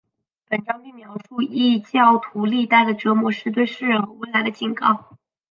本章并描述异教徒历代的折磨是对世人和未来的警告。